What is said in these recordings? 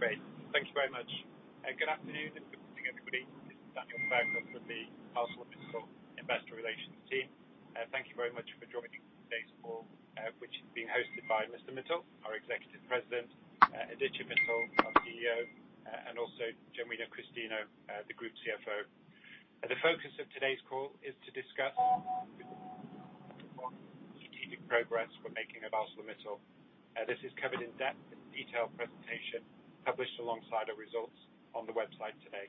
Great. Thank you very much. Good afternoon and good evening, everybody. This is Daniel Fairclough from the ArcelorMittal Investor Relations team. Thank you very much for joining today's call, which is being hosted by Mr. Mittal, our Executive Chairman, Aditya Mittal, our CEO, and also Genuino Christino, the Group CFO. The focus of today's call is to discuss strategic progress we're making at ArcelorMittal. This is covered in depth in the detailed presentation published alongside our results on the website today.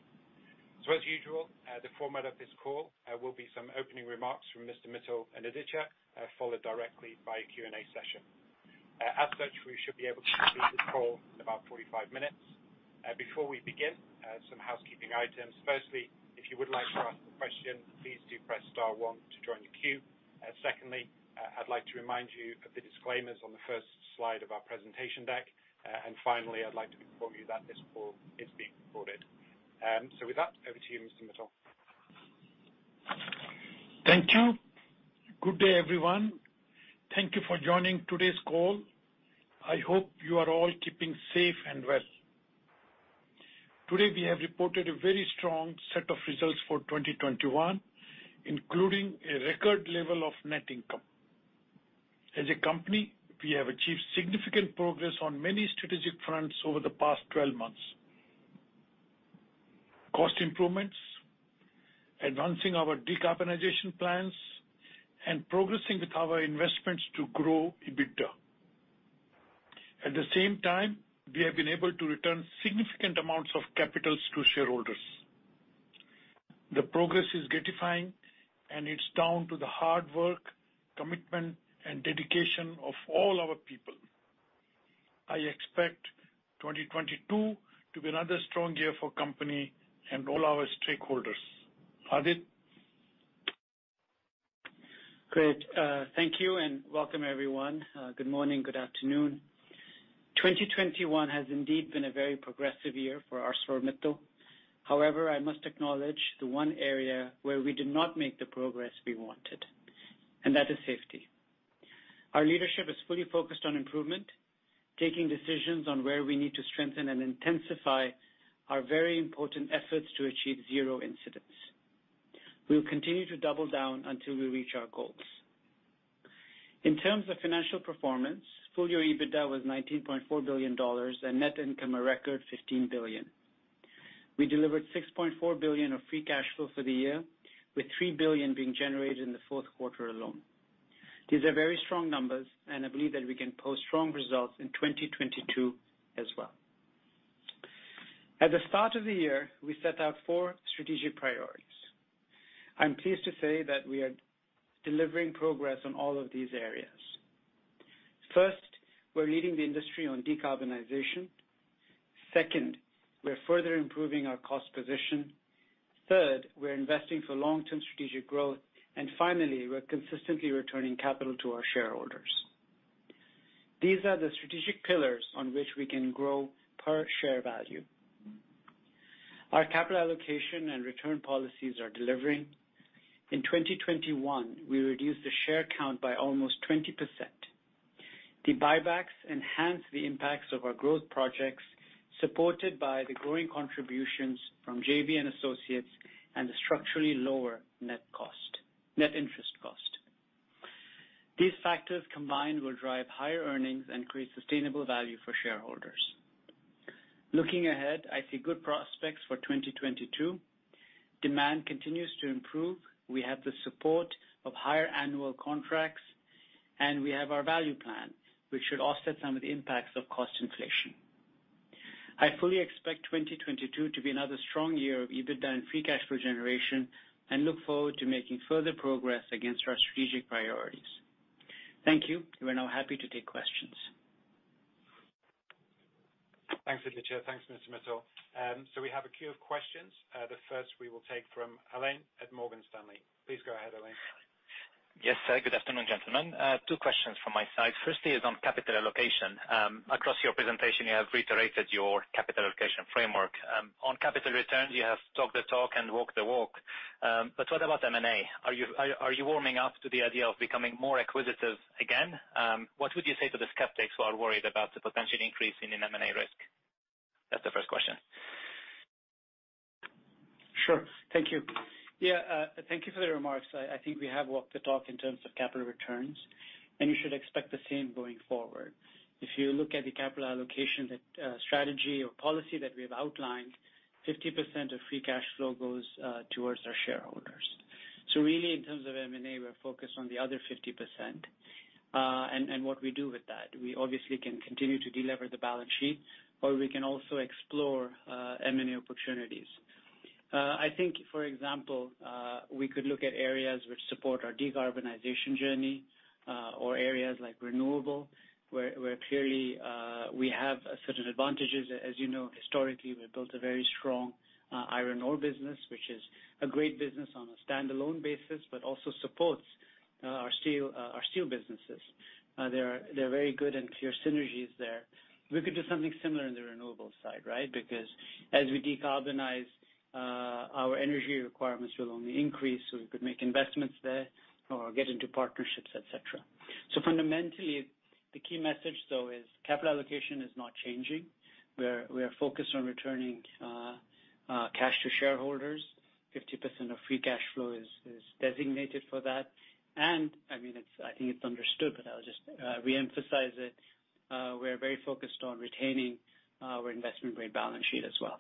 As usual, the format of this call will be some opening remarks from Mr. Mittal and Aditya, followed directly by a Q&A session. As such, we should be able to complete this call in about 45 minutes. Before we begin, some housekeeping items. Firstly, if you would like to ask a question, please do press star 1 to join the queue. Secondly, I'd like to remind you of the disclaimers on the 1st slide of our presentation deck. Finally, I'd like to inform you that this call is being recorded. With that, over to you, Mr. Mittal. Thank you. Good day, everyone. Thank you for joining today's call. I hope you are all keeping safe and well. Today, we have reported a very strong set of results for 2021, including a record level of net income. As a company, we have achieved significant progress on many strategic fronts over the past 12 months. Cost improvements, enhancing our decarbonization plans, and progressing with our investments to grow EBITDA. At the same time, we have been able to return significant amounts of capitals to shareholders. The progress is gratifying, and it's down to the hard work, commitment, and dedication of all our people. I expect 2022 to be another strong year for company and all our stakeholders. Aditya? Great. Thank you, and welcome everyone. Good morning, good afternoon. 2021 has indeed been a very progressive year for ArcelorMittal. However, I must acknowledge the one area where we did not make the progress we wanted, and that is safety. Our leadership is fully focused on improvement, taking decisions on where we need to strengthen and intensify our very important efforts to achieve zero incidents. We will continue to double down until we reach our goals. In terms of financial performance, full year EBITDA was $19.4 billion, and net income a record $15 billion. We delivered $6.4 billion of free cash flow for the year, with $3 billion being generated in the Q4 alone. These are very strong numbers, and I believe that we can post strong results in 2022 as well. At the start of the year, we set out 4 strategic priorities. I'm pleased to say that we are delivering progress on all of these areas. 1st, we're leading the industry on decarbonization. 2nd, we're further improving our cost position. 3rd, we're investing for long-term strategic growth. Finally, we're consistently returning capital to our shareholders. These are the strategic pillars on which we can grow per share value. Our capital allocation and return policies are delivering. In 2021, we reduced the share count by almost 20%. The buybacks enhance the impacts of our growth projects, supported by the growing contributions from JV and associates and the structurally lower net cost, net interest cost. These factors combined will drive higher earnings and create sustainable value for shareholders. Looking ahead, I see good prospects for 2022. Demand continues to improve. We have the support of higher annual contracts, and we have our value plan, which should offset some of the impacts of cost inflation. I fully expect 2022 to be another strong year of EBITDA and free cash flow generation and look forward to making further progress against our strategic priorities. Thank you. We're now happy to take questions. Thanks, Aditya. Thanks, Mr. Mittal. We have a queue of questions. The 1st we will take from Alain at Morgan Stanley. Please go ahead, Alain. Yes, sir. Good afternoon, gentlemen. 2 Questions from my side. Firstly is on capital allocation. Across your presentation, you have reiterated your capital allocation framework. On capital returns, you have talked the talk and walked the walk. But what about M&A? Are you warming up to the idea of becoming more acquisitive again? What would you say to the skeptics who are worried about the potential increase in an M&A risk? That's the 1st question. Sure. Thank you. Yeah, thank you for the remarks. I think we have walked the talk in terms of capital returns, and you should expect the same going forward. If you look at the capital allocation that strategy or policy that we have outlined, 50% of free cash flow goes towards our shareholders. So really, in terms of M&A, we're focused on the other 50%, and what we do with that. We obviously can continue to delever the balance sheet, or we can also explore M&A opportunities. I think, for example, we could look at areas which support our decarbonization journey, or areas like renewable, where clearly we have a certain advantages. As you know, historically, we've built a very strong iron ore business, which is a great business on a standalone basis, but also supports our steel businesses. There are very good and clear synergies there. We could do something similar in the renewables side, right? Because as we decarbonize, our energy requirements will only increase so we could make investments there or get into partnerships, et cetera. Fundamentally, the key message though is capital allocation is not changing. We are focused on returning cash to shareholders. 50% of free cash flow is designated for that. I mean, it's understood, but I'll just re-emphasize it, we're very focused on retaining our investment-grade balance sheet as well.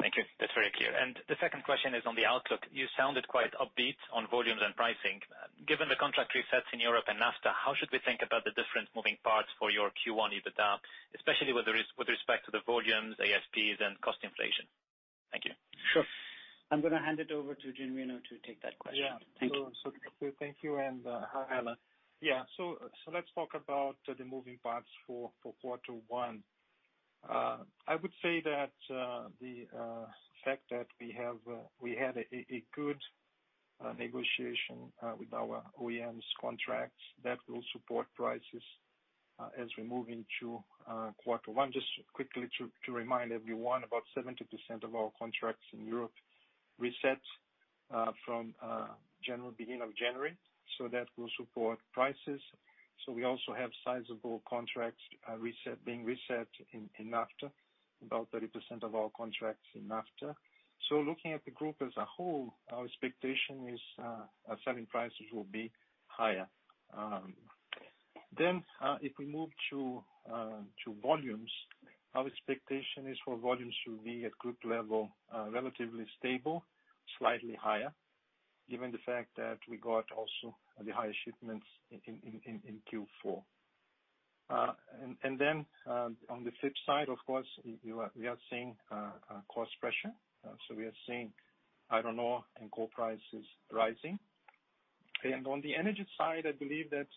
Thank you. That's very clear. The 2nd question is on the outlook. You sounded quite upbeat on volumes and pricing. Given the contract resets in Europe and NAFTA, how should we think about the different moving parts for your Q1 EBITDA, especially with respect to the volumes, ASPs and cost inflation? Thank you. Sure. I'm going to hand it over to Genuino to take that question. Yeah. Thank you. Thank you, and hi Alain. Yeah. Let's talk about the moving parts for Q1. I would say that the fact that we had a good negotiation with our OEMs contracts that will support prices as we move into Q1. Just quickly to remind everyone, about 70% of our contracts in Europe reset from the beginning of January, so that will support prices. We also have sizable contracts being reset in NAFTA, about 30% of our contracts in NAFTA. Looking at the group as a whole, our expectation is selling prices will be higher. If we move to volumes, our expectation is for volumes should be at group level, relatively stable, slightly higher, given the fact that we got also the higher shipments in Q4. On the flip side, of course, we are seeing cost pressure. We are seeing iron ore and coal prices rising. On the energy side, I believe that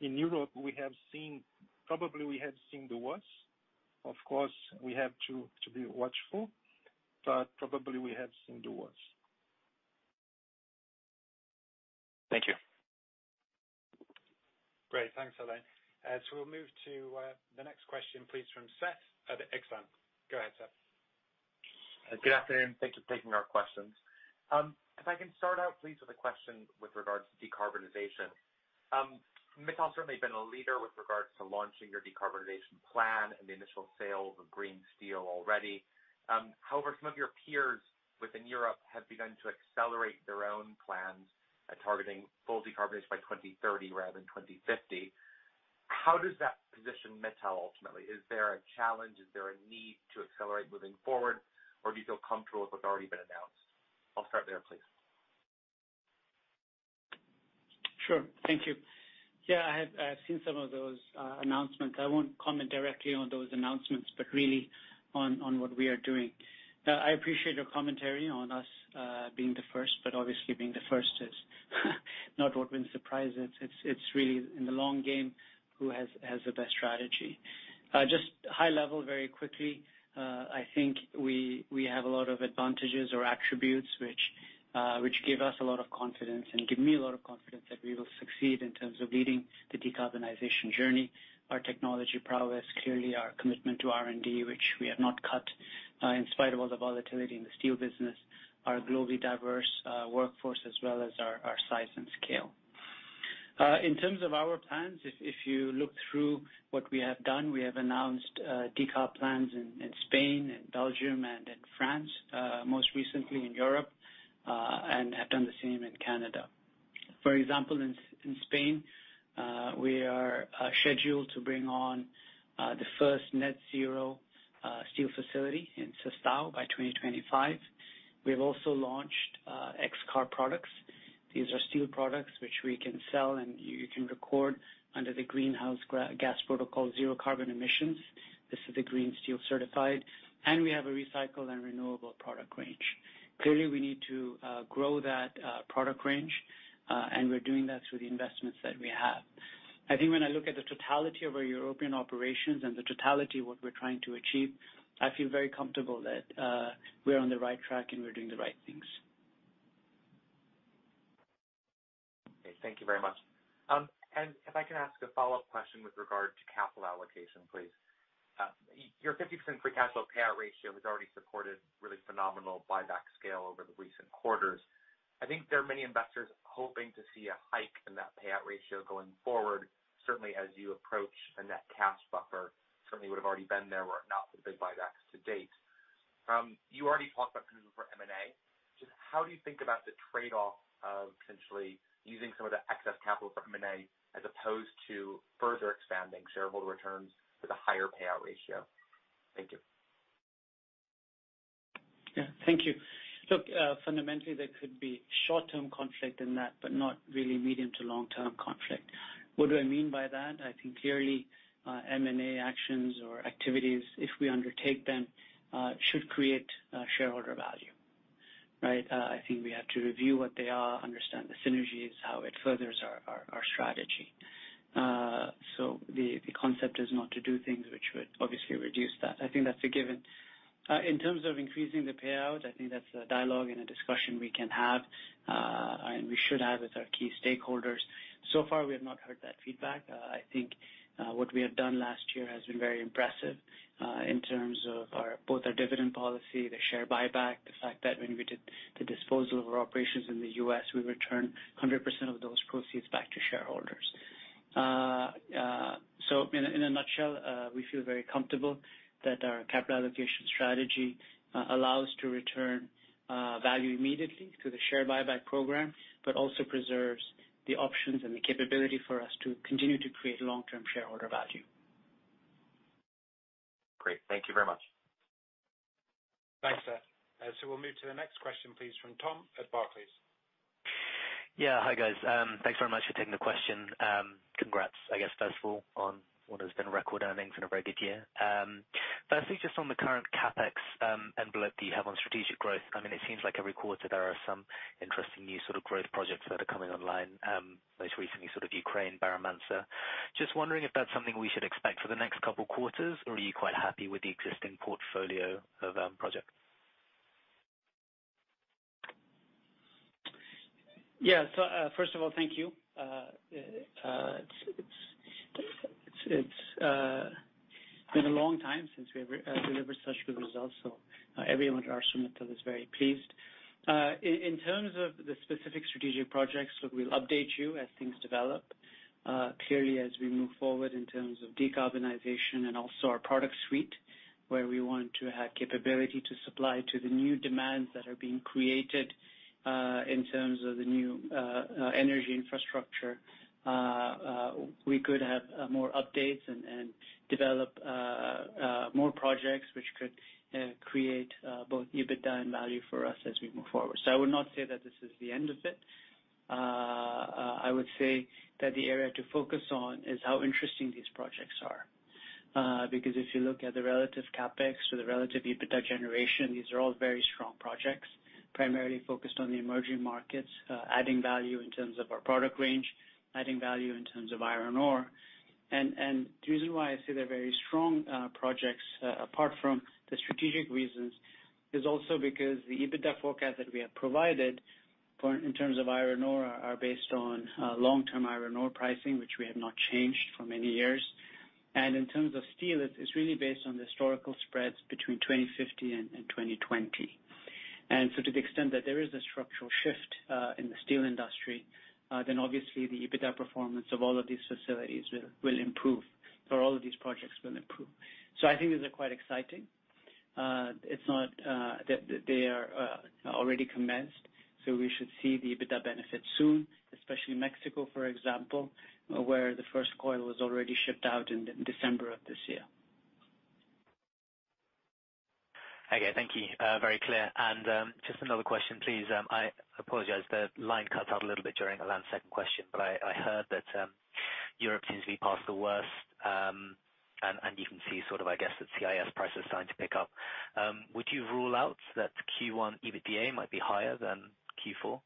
in Europe, we have probably seen the worst. Of course, we have to be watchful, but probably we have seen the worst. Thank you. Great. Thanks, Alain. We'll move to the next question, please, from Tristan Gresser at Exane. Go ahead, Tristan Gresser. Good afternoon. Thank you for taking our questions. If I can start out, please, with a question with regards to decarbonization. ArcelorMittal certainly been a leader with regards to launching your decarbonization plan and the initial sales of green steel already. However, some of your peers within Europe have begun to accelerate their own plans at targeting full decarbonization by 2030 rather than 2050. How does that position ArcelorMittal ultimately? Is there a challenge? Is there a need to accelerate moving forward? Or do you feel comfortable with what's already been announced? I'll start there, please. Sure. Thank you. Yeah, I have seen some of those announcements. I won't comment directly on those announcements, but really on what we are doing. I appreciate your commentary on us being the 1st, but obviously being the 1st is not what wins the prize. It's really in the long game who has the best strategy. Just high level very quickly, I think we have a lot of advantages or attributes which give us a lot of confidence and give me a lot of confidence that we will succeed in terms of leading the decarbonization journey. Our technology prowess, clearly our commitment to R&D, which we have not cut, in spite of all the volatility in the steel business, our globally diverse workforce, as well as our size and scale. In terms of our plans, if you look through what we have done, we have announced decarb plans in Spain and Belgium and in France, most recently in Europe, and have done the same in Canada. For example, in Spain, we are scheduled to bring on the 1st net zero steel facility in Sestao by 2025. We have also launched XCarb products. These are steel products which we can sell, and you can record under the Greenhouse Gas Protocol zero carbon emissions. This is the green steel certified, and we have a recycle and renewable product range. Clearly, we need to grow that product range, and we're doing that through the investments that we have. I think when I look at the totality of our European operations and the totality of what we're trying to achieve, I feel very comfortable that, we're on the right track and we're doing the right things. Okay. Thank you very much. If I can ask a follow-up question with regard to capital allocation, please. Your 50% free cash flow payout ratio has already supported really phenomenal buyback scale over the recent quarters. I think there are many investors hoping to see a hike in that payout ratio going forward, certainly as you approach a net cash buffer. It certainly would have already been there were it not for the big buybacks to date. You already talked about continuing for M&A. Just how do you think about the trade-off of potentially using some of the excess capital for M&A as opposed to further expanding shareholder returns with a higher payout ratio? Thank you. Yeah. Thank you. Look, fundamentally, there could be short-term conflict in that, but not really medium to long-term conflict. What do I mean by that? I think clearly, M&A actions or activities, if we undertake them, should create shareholder value, right? I think we have to review what they are, understand the synergies, how it furthers our strategy. The concept is not to do things which would obviously reduce that. I think that's a given. In terms of increasing the payout, I think that's a dialogue and a discussion we can have, and we should have with our key stakeholders. So far, we have not heard that feedback. I think what we have done last year has been very impressive in terms of both our dividend policy, the share buyback, the fact that when we did the disposal of our operations in the U.S., we returned 100% of those proceeds back to shareholders. In a nutshell, we feel very comfortable that our capital allocation strategy allows to return value immediately through the share buyback program, but also preserves the options and the capability for us to continue to create long-term shareholder value. Great. Thank you very much. Thanks, Tristan. We'll move to the next question, please, from Tom at Barclays. Yeah. Hi, guys. Thanks very much for taking the question. Congrats, I guess, first of all, on what has been record earnings and a very good year. Firstly, just on the current CapEx envelope that you have on strategic growth, I mean, it seems like every quarter there are some interesting new sort of growth projects that are coming online, most recently sort of Ukraine, Barra Mansa. Just wondering if that's something we should expect for the next couple quarters, or are you quite happy with the existing portfolio of projects? First of all, thank you. It's been a long time since we have delivered such good results, so everyone at ArcelorMittal is very pleased. In terms of the specific strategic projects, look, we'll update you as things develop. Clearly as we move forward in terms of decarbonization and also our product suite, where we want to have capability to supply to the new demands that are being created in terms of the new energy infrastructure, we could have more updates and develop more projects which could create both EBITDA and value for us as we move forward. I would not say that this is the end of it. I would say that the area to focus on is how interesting these projects are. Because if you look at the relative CapEx or the relative EBITDA generation, these are all very strong projects, primarily focused on the emerging markets, adding value in terms of our product range, adding value in terms of iron ore. The reason why I say they're very strong projects, apart from the strategic reasons, is also because the EBITDA forecast that we have provided for in terms of iron ore are based on long-term iron ore pricing, which we have not changed for many years. In terms of steel, it's really based on the historical spreads between 2050 and 2020. To the extent that there is a structural shift in the steel industry, then obviously the EBITDA performance of all of these facilities will improve, or all of these projects will improve. I think these are quite exciting. They're already commenced, so we should see the EBITDA benefit soon, especially Mexico, for example, where the 1st coil was already shipped out in December of this year. Okay. Thank you. Very clear. Just another question, please. I apologize, the line cut out a little bit during Alain's 2nd question, but I heard that Europe seems to be past the worst, and you can see sort of, I guess, the CIS prices starting to pick up. Would you rule out that Q1 EBITDA might be higher than Q4?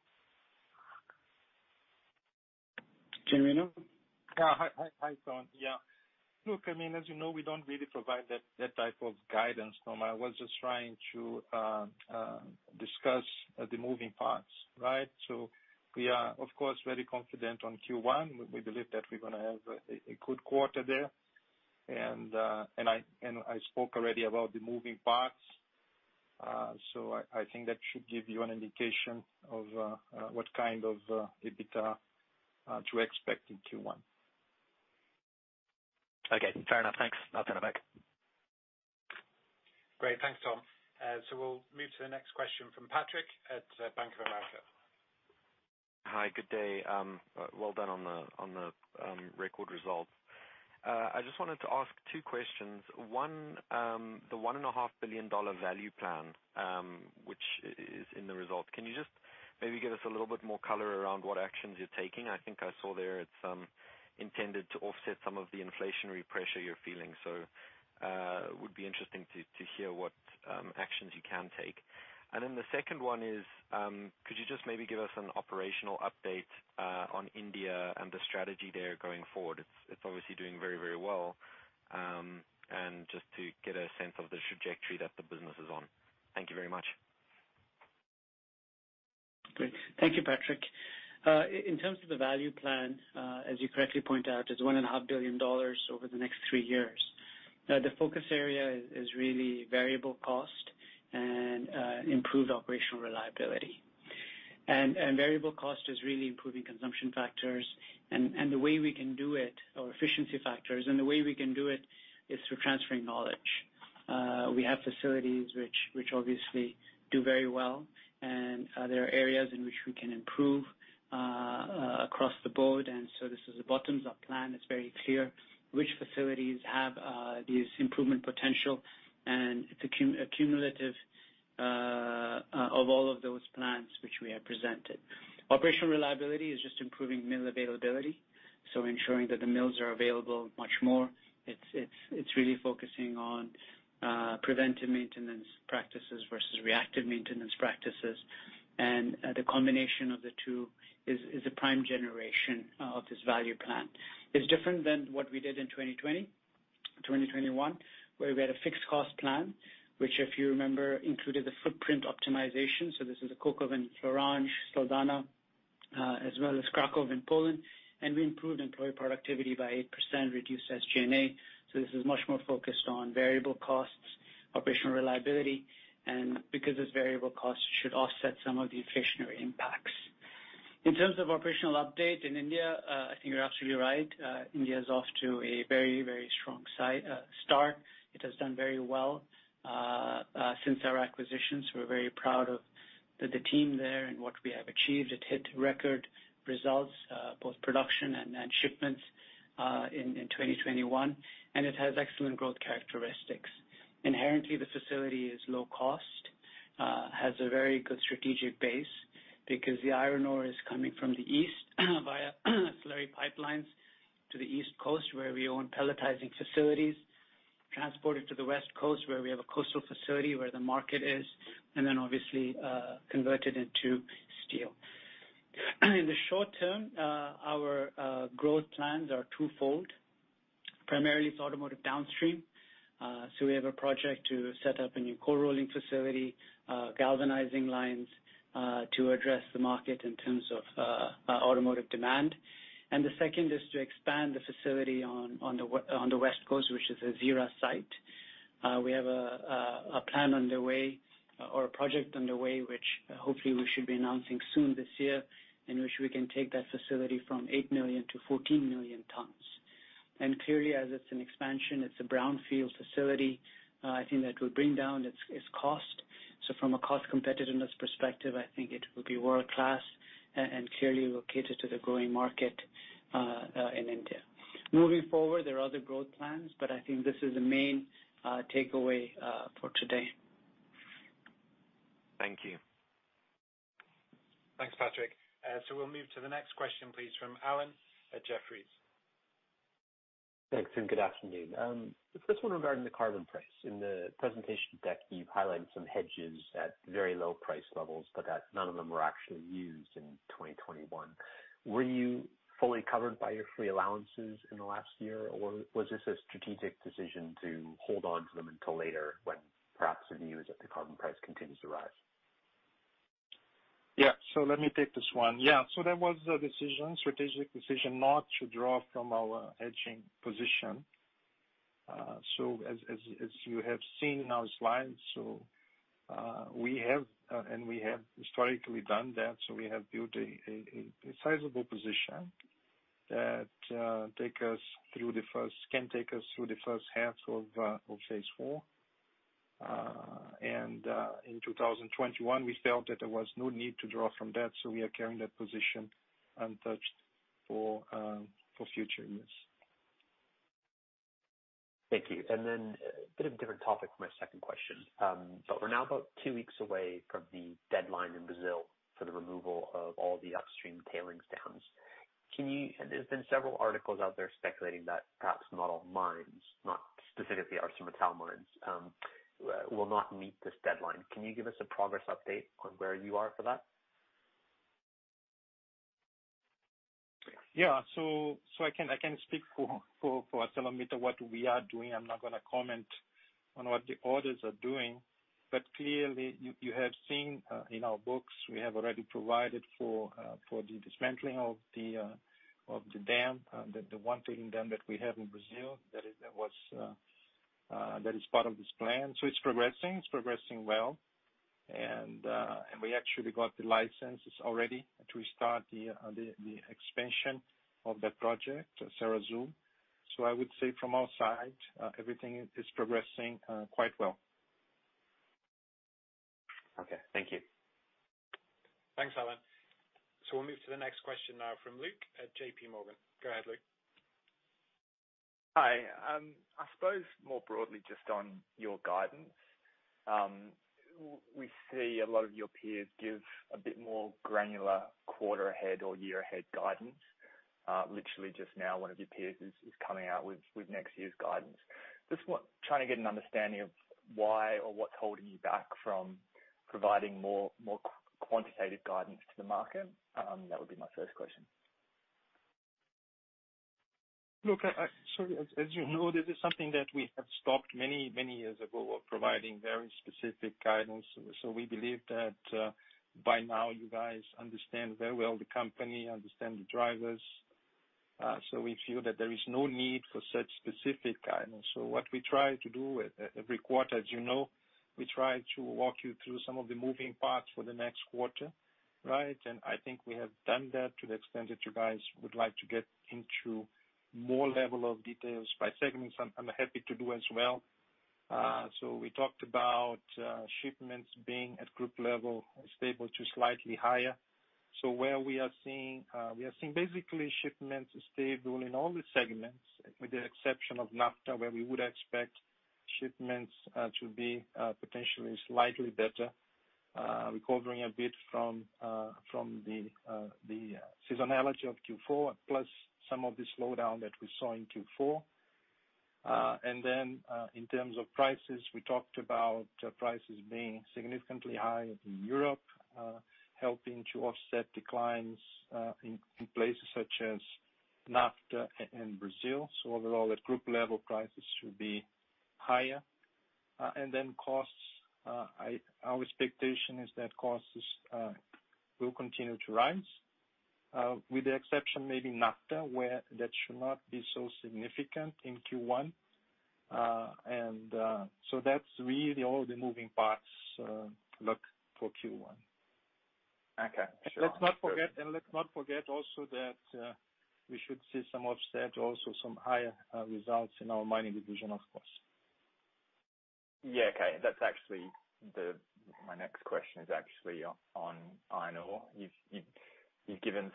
Jimino? Yeah. Hi, Tom. Yeah. Look, I mean, as you know, we don't really provide that type of guidance, Tom. I was just trying to discuss the moving parts, right? We are of course very confident on Q1. We believe that we're going to have a good quarter there. I spoke already about the moving parts. I think that should give you an indication of what kind of EBITDA to expect in Q1. Okay. Fair enough. Thanks. I'll turn it back. Great. Thanks, Tom. We'll move to the next question from Patrick at Bank of America. Hi. Good day. Well done on the record results. I just wanted to ask 2 questions. 1, the $1.5 billion value plan, which is in the results, can you just maybe give us a little bit more color around what actions you're taking? I think I saw there it's intended to offset some of the inflationary pressure you're feeling. Would be interesting to hear what actions you can take. The 2nd one is, could you just maybe give us an operational update on India and the strategy there going forward? It's obviously doing very, very well, and just to get a sense of the trajectory that the business is on. Thank you very much. Great. Thank you, Patrick. In terms of the value plan, as you correctly point out, it's $1.5 billion over the next 3 years. The focus area is really variable cost and improved operational reliability. Variable cost is really improving consumption factors, and the way we can do it or efficiency factors, and the way we can do it is through transferring knowledge. We have facilities which obviously do very well, and there are areas in which we can improve across the board, so this is the bottom-up plan. It's very clear which facilities have this improvement potential, and it's accumulative of all of those plans which we have presented. Operational reliability is just improving mill availability, ensuring that the mills are available much more. It's really focusing on preventive maintenance practices versus reactive maintenance practices. The combination of the 2 is a prime generator of this value plan. It's different than what we did in 2020. 2021, where we had a fixed cost plan, which if you remember, included the footprint optimization. This is the Kokovan, Florange, Saldanha, as well as Krakow in Poland. We improved employee productivity by 8%, reduced SG&A. This is much more focused on variable costs, operational reliability, and because this variable cost should offset some of the inflationary impacts. In terms of operational update in India, I think you're absolutely right, India is off to a very, very strong start. It has done very well since our acquisitions. We're very proud of the team there and what we have achieved. It hit record results both production and shipments in 2021, and it has excellent growth characteristics. Inherently, the facility is low cost, has a very good strategic base because the iron ore is coming from the east via slurry pipelines to the east coast, where we own pelletizing facilities. Transported to the west coast, where we have a coastal facility where the market is, and then obviously, converted into steel. In the short term, our growth plans are to fold. Primarily, it's automotive downstream. We have a project to set up a new cold rolling facility, galvanizing lines, to address the market in terms of, automotive demand. The 2nd is to expand the facility on the west coast, which is a Hazira site. We have a plan underway or a project underway, which hopefully we should be announcing soon this year, in which we can take that facility from 8 million tons to 14 million tons. Clearly, as it's an expansion, it's a brownfield facility. I think that will bring down its cost. From a cost competitiveness perspective, I think it will be world-class and clearly located to the growing market in India. Moving forward, there are other growth plans, but I think this is the main takeaway for today. Thank you. Thanks, Patrick. We'll move to the next question, please, from Alan at Jefferies. Thanks, and good afternoon. The 1st one regarding the carbon price. In the presentation deck, you've highlighted some hedges at very low price levels, but none of them were actually used in 2021. Were you fully covered by your free allowances in the last year, or was this a strategic decision to hold on to them until later when perhaps the view is that the carbon price continues to rise? Let me take this one. That was a strategic decision not to draw from our hedging position. As you have seen in our slides, we have historically done that, so we have built a sizable position that can take us through the H1 of Phase 4. In 2021, we felt that there was no need to draw from that, so we are carrying that position untouched for future use. Thank you. A bit of a different topic for my 2nd question. We're now about 2 weeks away from the deadline in Brazil for the removal of all the upstream tailings dams. There's been several articles out there speculating that perhaps not all mines, not specifically ArcelorMittal mines, will not meet this deadline. Can you give us a progress update on where you are for that? I can speak for ArcelorMittal what we are doing. I'm not going to comment on what the others are doing. Clearly you have seen in our books we have already provided for the dismantling of the dam, the 1 tailings dam that we have in Brazil that is part of this plan. It's progressing well. We actually got the licenses already to start the expansion of that project, Serra Azul. I would say from our side everything is progressing quite well. Okay, thank you. Thanks, Alan. We'll move to the next question now from Luke at J.P. Morgan. Go ahead, Luke. Hi. I suppose more broadly, just on your guidance, we see a lot of your peers give a bit more granular quarter ahead or year ahead guidance. Literally just now, 1 of your peers is coming out with next year's guidance. Trying to get an understanding of why or what's holding you back from providing more quantitative guidance to the market. That would be my 1st question. Look, as you know, this is something that we have stopped many years ago of providing very specific guidance. We believe that, by now you guys understand very well the company, understand the drivers. We feel that there is no need for such specific guidance. What we try to do at every quarter, as you know, we try to walk you through some of the moving parts for the next quarter, right? I think we have done that to the extent that you guys would like to get into more level of details by segments, I'm happy to do as well. We talked about shipments being at group level, stable to slightly higher. Where we are seeing basically shipments stable in all the segments, with the exception of NAFTA, where we would expect shipments to be potentially slightly better, recovering a bit from the seasonality of Q4, plus some of the slowdown that we saw in Q4. And then, in terms of prices, we talked about prices being significantly higher in Europe, helping to offset declines in places such as NAFTA and Brazil. Overall at group level, prices should be higher. Costs, our expectation is that costs will continue to rise with the exception maybe NAFTA, where that should not be so significant in Q1. That's really all the moving parts, look for Q1. Okay. Let's not forget also that we should see some offset, also some higher results in our mining division, of course. Yeah. Okay. That's actually my next question, actually on iron ore. You've given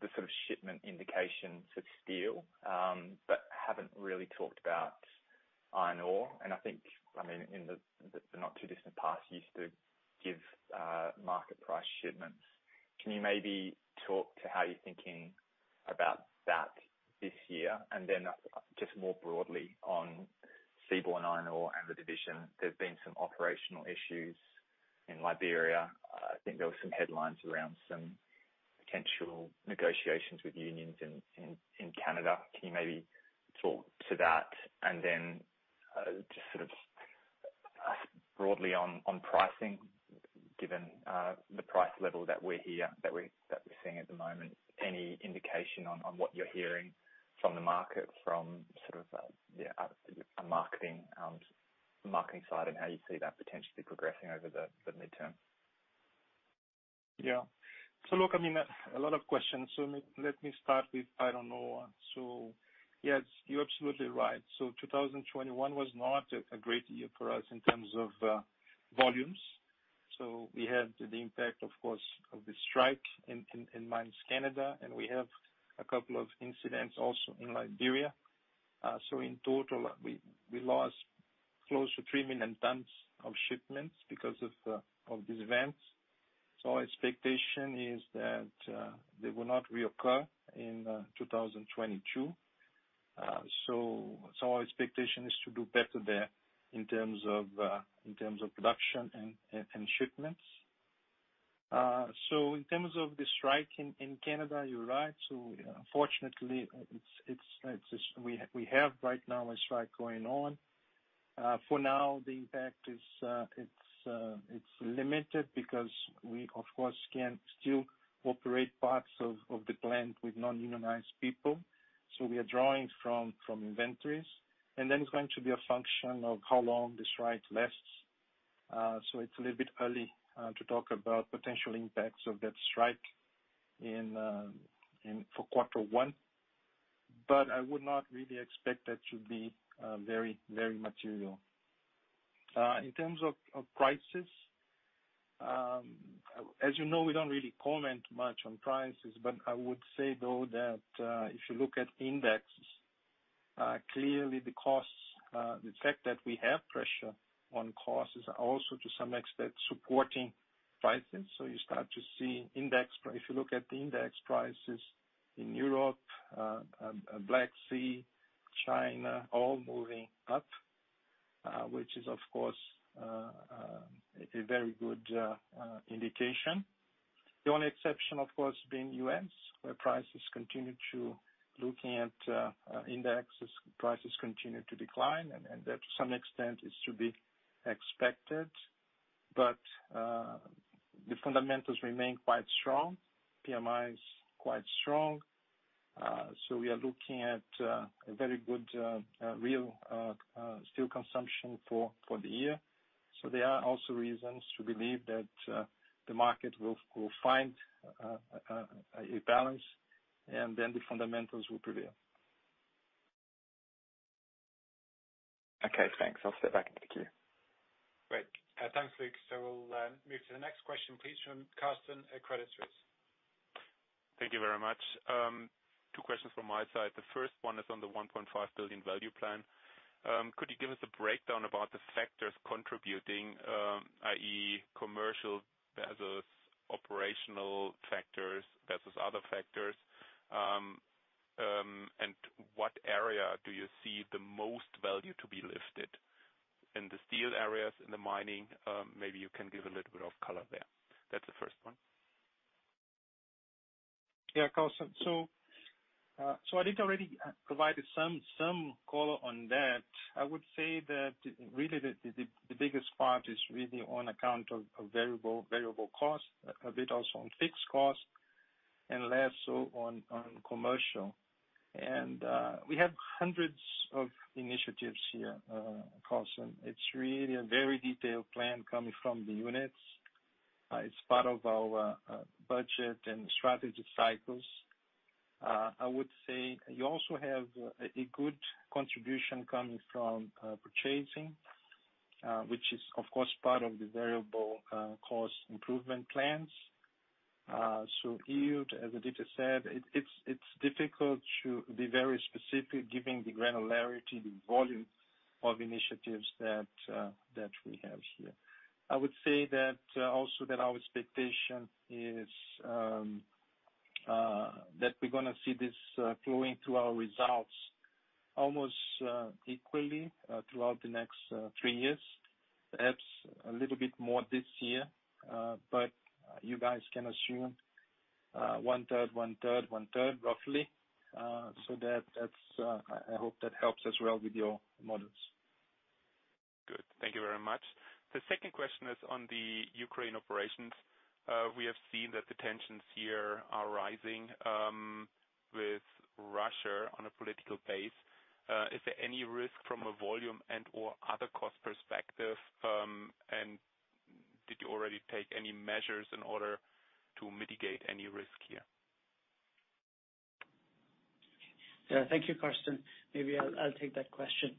the sort of shipment indication for steel, but haven't really talked about iron ore. I think, I mean, in the not too distant past, you used to give market price shipments. Can you maybe talk to how you're thinking about that this year? Just more broadly on seaborne iron ore and the division, there've been some operational issues in Liberia. I think there were some headlines around some potential negotiations with unions in Canada. Can you maybe talk to that? Just sort of broadly on pricing, given the price level that we're seeing at the moment, any indication on what you're hearing from the market from sort of yeah, a marketing side and how you see that potentially progressing over the midterm. Yeah. Look, I mean, a lot of questions. Let me start with iron ore. Yes, you're absolutely right. 2021 was not a great year for us in terms of volumes. We had the impact, of course, of the strike in Mines Canada, and we have a couple of incidents also in Liberia. In total, we lost close to 3 million tons of shipments because of these events. Our expectation is that they will not reoccur in 2022. Our expectation is to do better there in terms of production and shipments. In terms of the strike in Canada, you're right. Fortunately, it's just we have right now a strike going on. For now the impact is, it's limited because we of course can still operate parts of the plant with non-unionized people. We are drawing from inventories, and then it's going to be a function of how long the strike lasts. It's a little bit early to talk about potential impacts of that strike for Q1. I would not really expect that to be very material. In terms of prices, as you know, we don't really comment much on prices. I would say though that if you look at indexes, clearly the costs, the fact that we have pressure on costs is also to some extent supporting prices. You start to see. If you look at the index prices in Europe, Black Sea, China, all moving up, which is of course a very good indication. The only exception, of course, being U.S., where prices continue to decline, and that to some extent is to be expected. The fundamentals remain quite strong. PMI is quite strong. We are looking at a very good real steel consumption for the year. There are also reasons to believe that the market will find a balance and then the fundamentals will prevail. Okay, thanks. I'll step back into the queue. Great. Thanks, Luke. We'll move to the next question, please, from Carsten at Credit Suisse. Thank you very much. 2 questions from my side. The 1st one is on the $1.5 billion value plan. Could you give us a breakdown about the factors contributing, i.e. commercial versus operational factors versus other factors? What area do you see the most value to be lifted? In the steel areas, in the mining, maybe you can give a little bit of color there. That's the 1st one. Yeah, Carsten. Aditya already provided some color on that. I would say that really the biggest part is really on account of variable costs, a bit also on fixed costs and less so on commercial. We have hundreds of initiatives here, Carsten. It's really a very detailed plan coming from the units. It's part of our budget and strategy cycles. I would say you also have a good contribution coming from purchasing, which is of course part of the variable cost improvement plans. Yield, as Aditya said, it's difficult to be very specific given the granularity, the volume of initiatives that we have here. I would say that also our expectation is that we're going to see this flowing through our results almost equally throughout the next 3 years. Perhaps a little bit more this year, but you guys can assume 1/3, 1/3, 1/3, roughly. That's. I hope that helps as well with your models. Good. Thank you very much. The 2nd question is on the Ukraine operations. We have seen that the tensions here are rising, with Russia on a political basis. Is there any risk from a volume and/or other cost perspective, and did you already take any measures in order to mitigate any risk here? Thank you, Carsten. Maybe I'll take that question.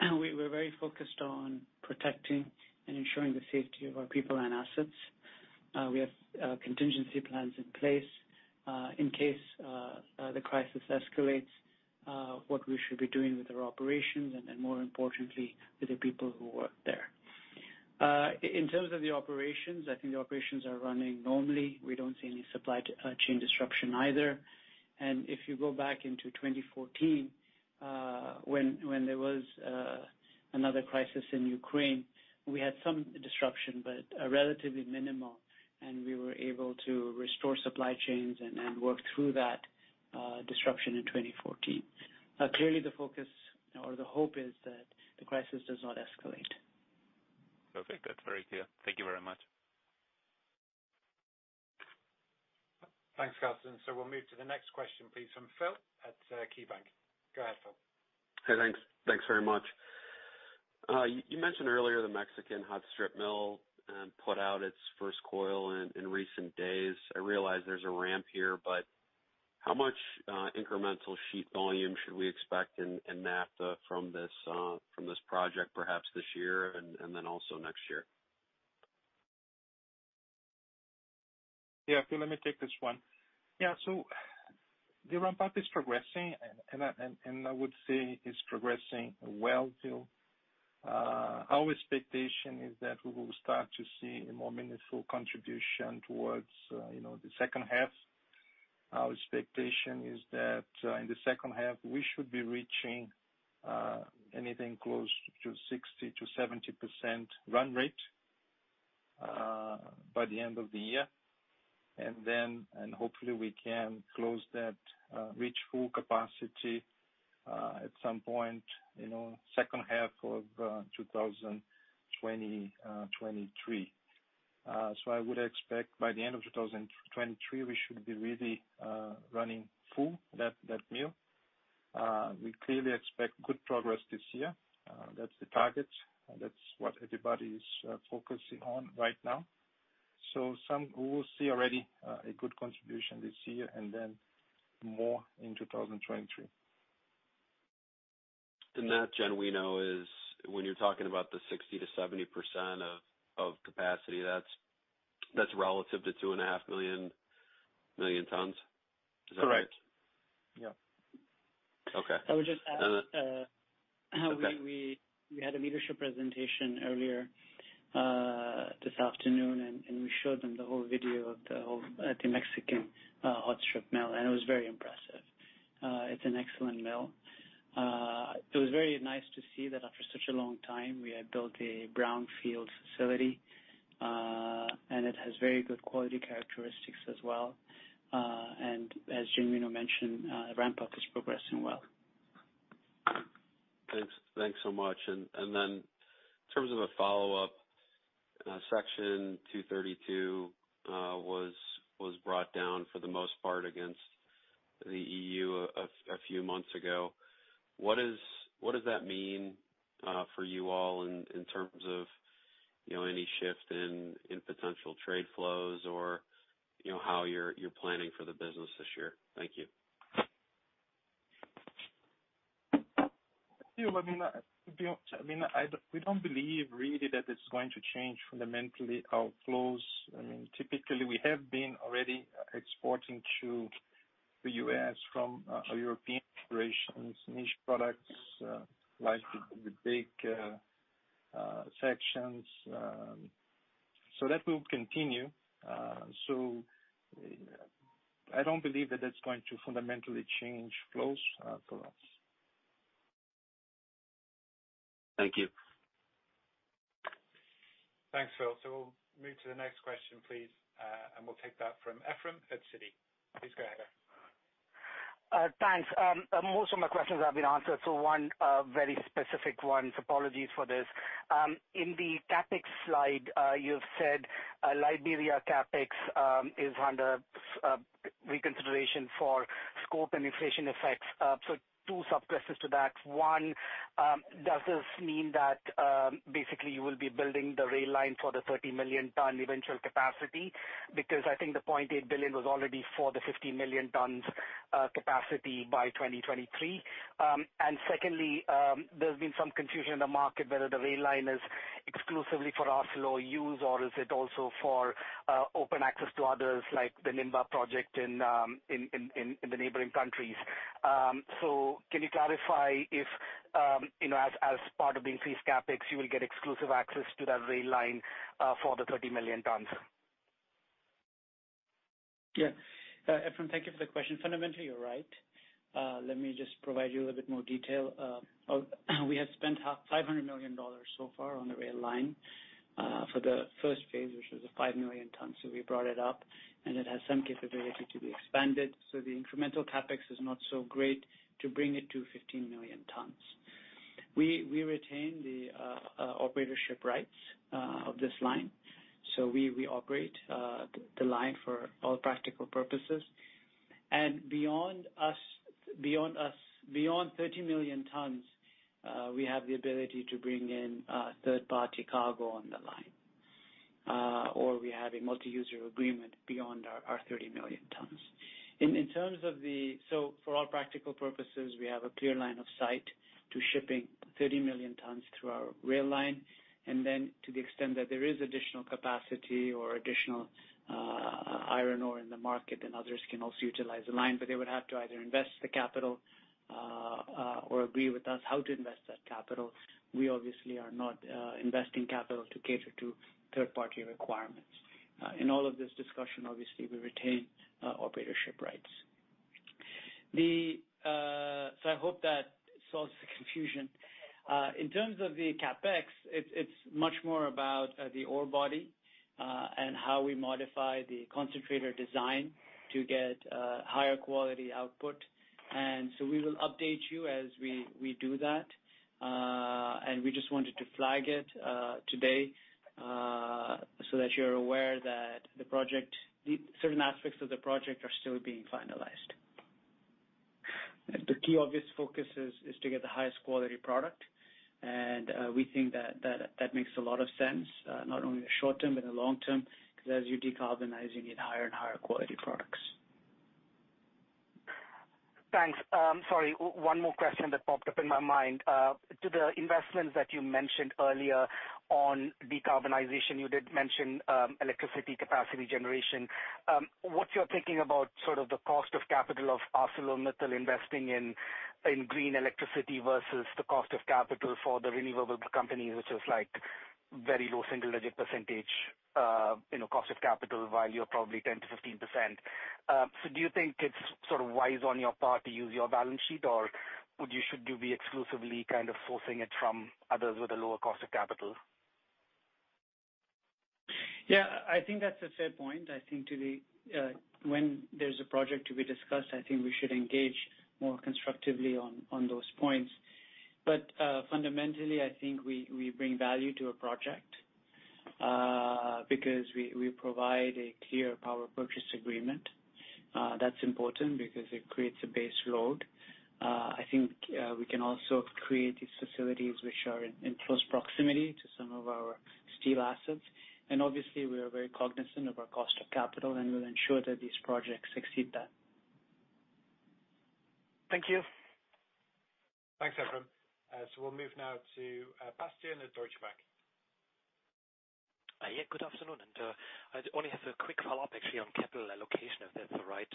We're very focused on protecting and ensuring the safety of our people and assets. We have contingency plans in place in case the crisis escalates, what we should be doing with our operations and, more importantly, with the people who work there. In terms of the operations, I think the operations are running normally. We don't see any supply chain disruption either. If you go back into 2014, when there was another crisis in Ukraine, we had some disruption, but relatively minimal, and we were able to restore supply chains and work through that disruption in 2014. Clearly the focus or the hope is that the crisis does not escalate. Perfect. That's very clear. Thank you very much. Thanks, Carsten. We'll move to the next question, please, from Phil at KeyBanc. Go ahead, Phil. Hey, thanks. Thanks very much. You mentioned earlier the Mexican hot strip mill put out its 1st coil in recent days. I realize there's a ramp here, but how much incremental sheet volume should we expect in NAFTA from this project perhaps this year and then also next year? Yeah. Phil, let me take this one. Yeah. So the ramp-up is progressing. I would say it's progressing well, Phil. Our expectation is that we will start to see a more meaningful contribution towards, you know, the H2. Our expectation is that, in the H2, we should be reaching anything close to 60% to 70% run rate, by the end of the year. Then, hopefully we can close that, reach full capacity, at some point, you know, H2 of 2023. So I would expect by the end of 2023, we should be really running full that mill. We clearly expect good progress this year. That's the target. That's what everybody is focusing on right now. Some we will see already, a good contribution this year and then more in 2023. That, Jan, we know is when you're talking about the 60% to 70% of capacity, that's relative to 2.5 million tons. Is that right? Correct. Yeah. Okay. I would just add. Okay how we had a leadership presentation earlier this afternoon, and we showed them the whole video of the Mexican hot strip mill, and it was very impressive. It's an excellent mill. It was very nice to see that after such a long time, we had built a brownfield facility, and it has very good quality characteristics as well. And as Genuino mentioned, ramp-up is progressing well. Thanks. Thanks so much. Then in terms of a follow-up, Section 232 was brought down for the most part against the EU a few months ago. What does that mean for you all in terms of, you know, any shift in potential trade flows or, you know, how you're planning for the business this year? Thank you. Phil, I mean, we don't believe really that it's going to change fundamentally our flows. I mean, typically, we have been already exporting to the U.S. from our European operations, niche products, like the big sections. That will continue. I don't believe that that's going to fundamentally change flows for us. Thank you. Thanks, Phil. We'll move to the next question, please, and we'll take that from Ephrem at Citi. Please go ahead. Thanks. Most of my questions have been answered, so 1 very specific one, so apologies for this. In the CapEx slide, you've said, Liberia CapEx is under reconsideration for scope and inflation effects. So 2 sub-questions to that. 1, does this mean that basically you will be building the rail line for the 30 million ton eventual capacity? Because I think the $0.8 billion was already for the 15 million tons capacity by 2023. And secondly, there's been some confusion in the market whether the rail line is exclusively for ArcelorMittal use, or is it also for open access to others like the Nimba project in the neighboring countries. Can you clarify if, you know, as part of the increased CapEx, you will get exclusive access to that rail line for the 30 million tons? Yeah. Ephrem, thank you for the question. Fundamentally, you're right. Let me just provide you a little bit more detail. We have spent $500 million so far on the rail line for the 1st phase, which was 5 million tons. We brought it up, and it has some capability to be expanded. The incremental CapEx is not so great to bring it to 15 million tons. We retain the operatorship rights of this line. We operate the line for all practical purposes. Beyond 30 million tons, we have the ability to bring in 3rd party cargo on the line. Or we have a multi-user agreement beyond our 30 million tons. In terms of the... For all practical purposes, we have a clear line of sight to shipping 30 million tons through our rail line. To the extent that there is additional capacity or additional iron ore in the market, then others can also utilize the line, but they would have to either invest the capital or agree with us how to invest that capital. We obviously are not investing capital to cater to 3rd-party requirements. In all of this discussion, obviously, we retain operatorship rights. I hope that solves the confusion. In terms of the CapEx, it's much more about the ore body and how we modify the concentrator design to get higher quality output. We will update you as we do that. We just wanted to flag it today, so that you're aware that the project—certain aspects of the project are still being finalized. The key obvious focus is to get the highest quality product. We think that makes a lot of sense, not only in the short term, but in the long term, 'cause as you decarbonize, you need higher and higher quality products. Thanks. Sorry, 1 more question that popped up in my mind. To the investments that you mentioned earlier on decarbonization, you did mention, electricity capacity generation. What's your thinking about sort of the cost of capital of ArcelorMittal investing in green electricity versus the cost of capital for the renewable companies, which is like very low single-digit %, you know, cost of capital while you're probably 10%-15%? So do you think it's sort of wise on your part to use your balance sheet, or should you be exclusively kind of sourcing it from others with a lower cost of capital? Yeah. I think that's a fair point. I think to the, when there's a project to be discussed, I think we should engage more constructively on those points. Fundamentally, I think we bring value to a project because we provide a clear power purchase agreement. That's important because it creates a base load. I think we can also create these facilities which are in close proximity to some of our steel assets. Obviously, we are very cognizant of our cost of capital, and we'll ensure that these projects exceed that. Thank you. Thanks, Ephrem. We'll move now to Bastian at Deutsche Bank. Yeah, good afternoon. I only have a quick follow-up actually on capital allocation, if that's all right.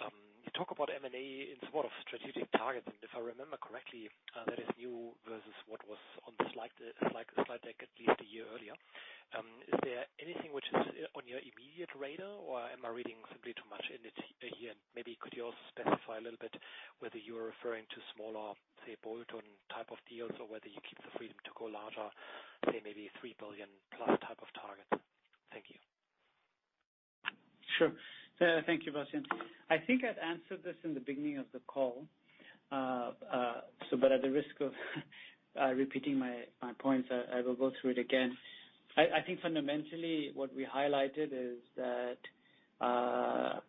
You talk about M&A in somewhat of strategic targets, and if I remember correctly, that is new versus what was on the slide deck at least a year earlier. Is there anything which is on your immediate radar, or am I reading simply too much into it here? Maybe could you also specify a little bit whether you are referring to smaller, say, bolt-on type of deals or whether you keep the freedom to go larger, say maybe 3 billion-plus type of targets? Thank you. Sure. Thank you, Bastian. I think I'd answered this in the beginning of the call. At the risk of repeating my points, I will go through it again. I think fundamentally what we highlighted is that,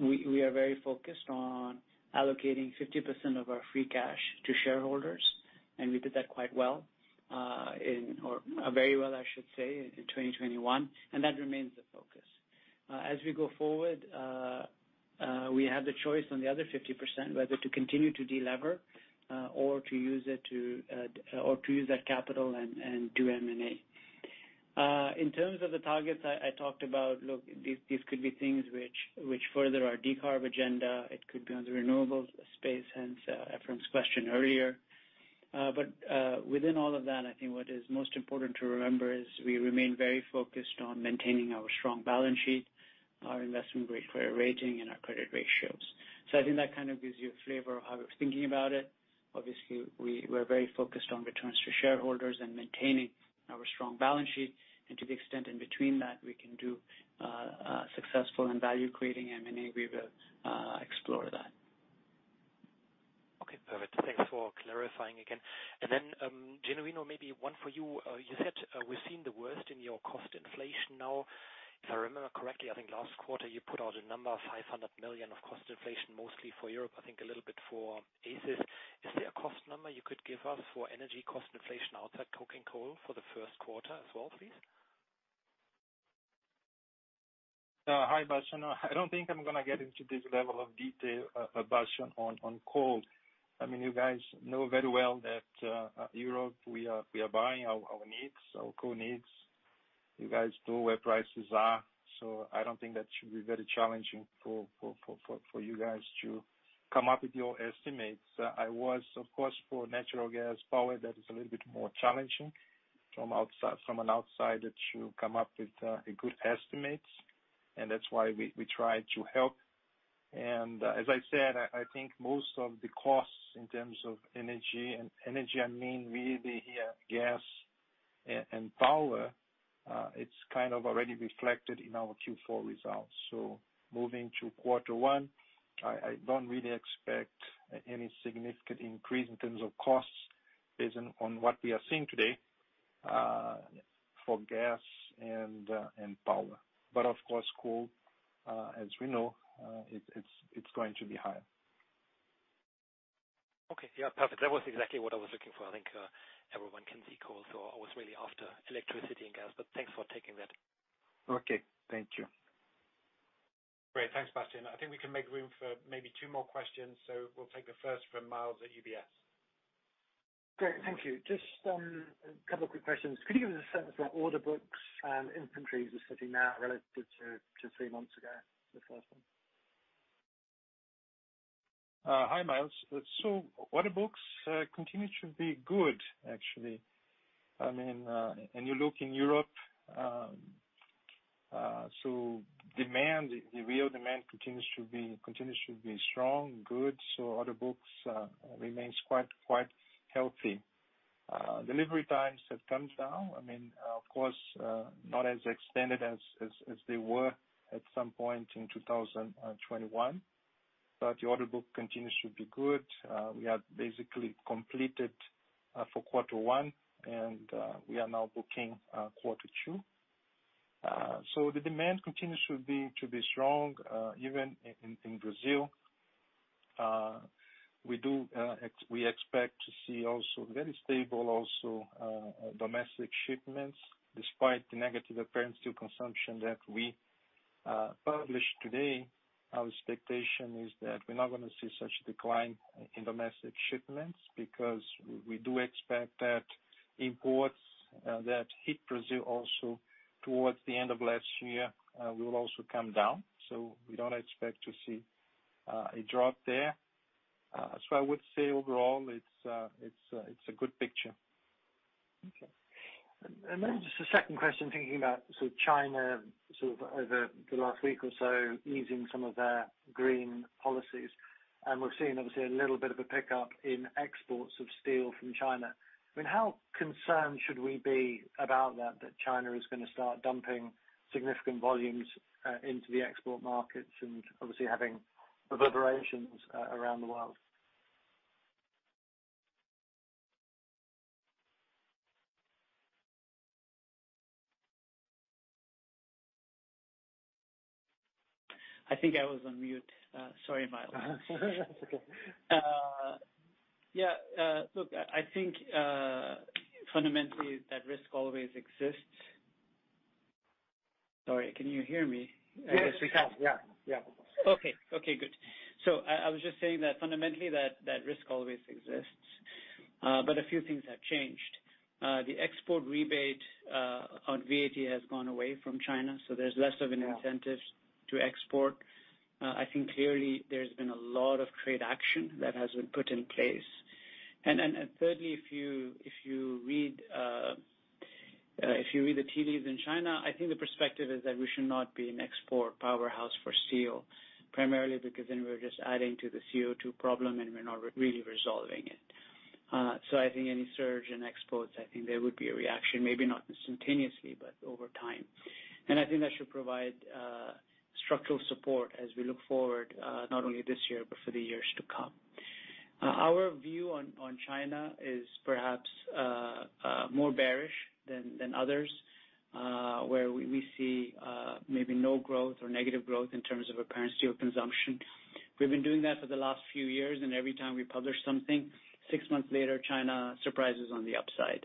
we are very focused on allocating 50% of our free cash to shareholders, and we did that quite well, or very well, I should say, in 2021, and that remains the focus. As we go forward, we have the choice on the other 50% whether to continue to delever, or to use that capital and do M&A. In terms of the targets I talked about, look, these could be things which further our decarb agenda. It could be on the renewables space, hence, Ephrem's question earlier. Within all of that, I think what is most important to remember is we remain very focused on maintaining our strong balance sheet, our investment-grade credit rating, and our credit ratios. I think that kind of gives you a flavor of how we're thinking about it. Obviously, we're very focused on returns to shareholders and maintaining our strong balance sheet. To the extent in between that we can do successful and value-creating M&A, we will explore that. Okay. Perfect. Thanks for clarifying again. Then, Genuino Christino, maybe 1 for you. You said we've seen the worst in your cost inflation now. If I remember correctly, I think last quarter you put out a number of $500 million of cost inflation, mostly for Europe, I think a little bit for ACIS. Is there a cost number you could give us for energy cost inflation outside coking coal for the Q1 as well, please? Hi, Bastian. I don't think I'm going to get into this level of detail, Bastian, on coal. I mean, you guys know very well that in Europe we are buying our coal needs. You guys know where prices are, so I don't think that should be very challenging for you guys to come up with your estimates. Of course, for natural gas and power, that is a little bit more challenging. From outside, from an outside that you come up with, a good estimate, and that's why we try to help. As I said, I think most of the costs in terms of energy, I mean, really here gas and power, it's kind of already reflected in our Q4 results. Moving to Q1, I don't really expect any significant increase in terms of costs based on what we are seeing today, for gas and power. Of course, coal, as we know, it's going to be higher. Okay. Yeah, perfect. That was exactly what I was looking for. I think, everyone can see coal, so I was really after electricity and gas, but thanks for taking that. Okay, thank you. Great. Thanks, Bastian. I think we can make room for maybe 2 more questions, so we'll take the 1st from Myles at UBS. Great. Thank you. Just a couple of quick questions. Could you give us a sense for order books, inventories are sitting now relative to 3 months ago? The 1st one. Hi, Myles. Order books continue to be good, actually. I mean, you look in Europe, demand, the real demand continues to be strong, good. Order books remain quite healthy. Delivery times have come down. I mean, of course, not as extended as they were at some point in 2021, but the order book continues to be good. We have basically completed for Q1 and we are now booking Q2. The demand continues to be strong, even in Brazil. We expect to see very stable domestic shipments, despite the negative apparent consumption that we published today. Our expectation is that we're not going to see such decline in domestic shipments because we do expect that imports that hit Brazil also towards the end of last year will also come down. We don't expect to see a drop there. I would say overall, it's a good picture. Okay. Just a 2nd question, thinking about sort of China sort of over the last week or so easing some of their green policies. We're seeing obviously a little bit of a pickup in exports of steel from China. I mean, how concerned should we be about that China is going to start dumping significant volumes into the export markets and obviously having reverberations around the world? I think I was on mute. Sorry, Myles. That's okay. Yeah. Look, I think fundamentally, that risk always exists. Sorry, can you hear me? Yes, we can. Yeah, yeah. Okay. Okay, good. I was just saying that fundamentally that risk always exists, but a few things have changed. The export rebate on VAT has gone away from China, so there's less of an incentive to export. I think clearly there's been a lot of trade action that has been put in place. Thirdly, if you read the tea leaves in China, I think the perspective is that we should not be an export powerhouse for steel, primarily because then we're just adding to the CO2 problem, and we're not really resolving it. I think any surge in exports, I think there would be a reaction, maybe not instantaneously, but over time. I think that should provide structural support as we look forward, not only this year, but for the years to come. Our view on China is perhaps more bearish than others, where we see maybe no growth or negative growth in terms of apparent steel consumption. We've been doing that for the last few years, and every time we publish something, 6 months later, China surprises on the upside.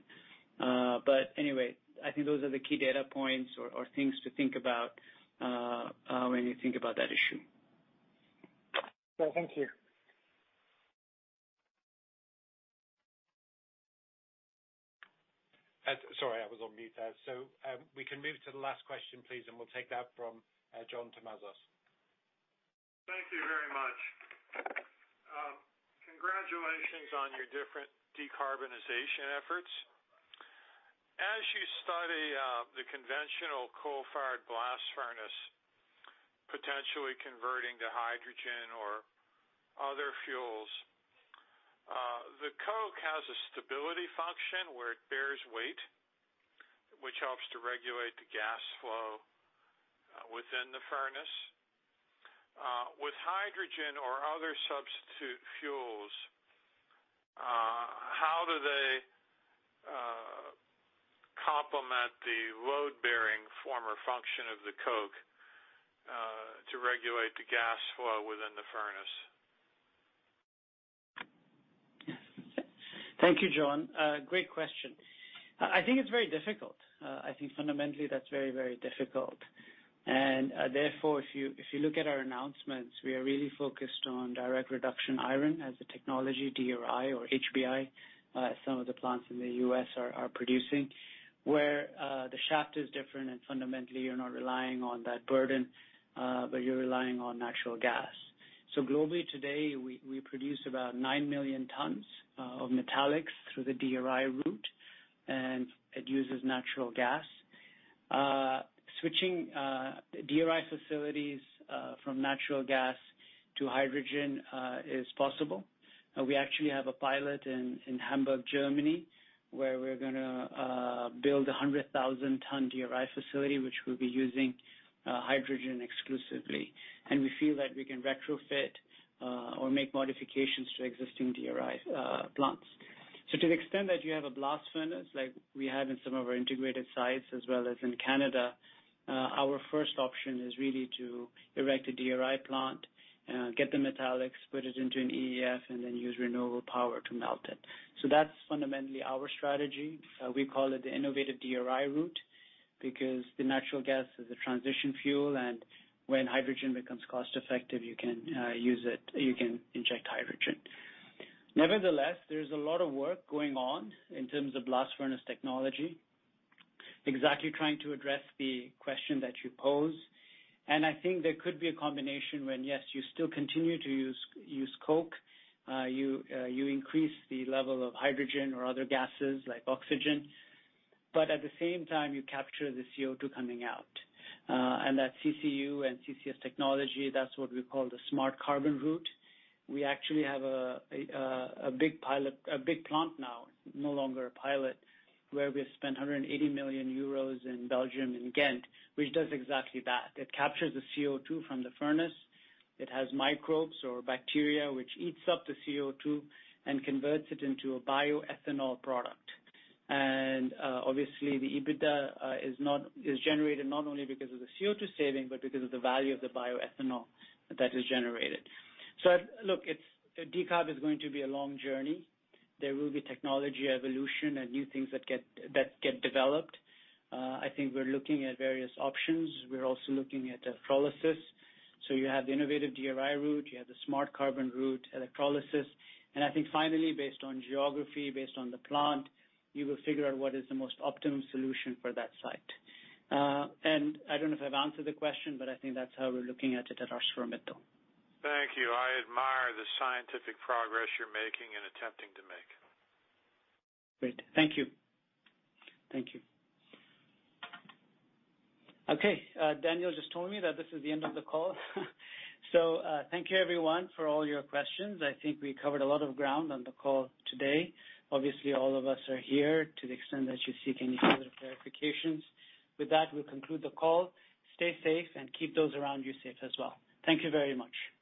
Anyway, I think those are the key data points or things to think about when you think about that issue. Well, thank you. Sorry, I was on mute. We can move to the last question, please, and we'll take that from John Tumazos. Thank you very much. Congratulations on your different decarbonization efforts. As you study the conventional coal-fired blast furnace, potentially converting to hydrogen or other fuels, the coke has a stability function where it bears weight, which helps to regulate the gas flow within the furnace. With hydrogen or other substitute fuels, how do they complement the load-bearing former function of the coke to regulate the gas flow within the furnace? Thank you, John. Great question. I think it's very difficult. I think fundamentally that's very, very difficult. Therefore, if you look at our announcements, we are really focused on direct reduced iron as a technology, DRI or HBI, some of the plants in the U.S. are producing, where- The shaft is different and fundamentally you're not relying on that burden, but you're relying on natural gas. Globally today, we produce about 9 million tons of metallics through the DRI route, and it uses natural gas. Switching DRI facilities from natural gas to hydrogen is possible. We actually have a pilot in Hamburg, Germany, where we're going to build a 100,000-ton DRI facility which will be using hydrogen exclusively. We feel that we can retrofit or make modifications to existing DRI plants. To the extent that you have a blast furnace like we have in some of our integrated sites as well as in Canada, our 1st option is really to erect a DRI plant, get the metallics, put it into an EAF, and then use renewable power to melt it. That's fundamentally our strategy. We call it the Innovative DRI route because the natural gas is a transition fuel, and when hydrogen becomes cost-effective, you can use it, you can inject hydrogen. Nevertheless, there's a lot of work going on in terms of blast furnace technology, exactly trying to address the question that you pose. I think there could be a combination when, yes, you still continue to use coke, you increase the level of hydrogen or other gases like oxygen, but at the same time, you capture the CO2 coming out. That CCU and CCS technology, that's what we call the Smart Carbon route. We actually have a big plant now, no longer a pilot, where we spent 180 million euros in Belgium in Ghent, which does exactly that. It captures the CO2 from the furnace. It has microbes or bacteria, which eats up the CO2 and converts it into a bioethanol product. Obviously, the EBITDA is generated not only because of the CO2 saving, but because of the value of the bioethanol that is generated. Look, it's decarb is going to be a long journey. There will be technology evolution and new things that get developed. I think we're looking at various options. We're also looking at electrolysis. You have the Innovative DRI route, you have the Smart Carbon route, electrolysis. I think finally, based on geography, based on the plant, you will figure out what is the most optimum solution for that site. I don't know if I've answered the question, but I think that's how we're looking at it at ArcelorMittal. Thank you. I admire the scientific progress you're making and attempting to make. Great. Thank you. Okay. Daniel just told me that this is the end of the call. Thank you everyone for all your questions. I think we covered a lot of ground on the call today. Obviously, all of us are here to the extent that you seek any further clarifications. With that, we'll conclude the call. Stay safe and keep those around you safe as well. Thank you very much.